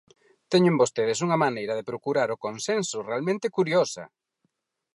¡Teñen vostedes unha maneira de procurar o consenso realmente curiosa!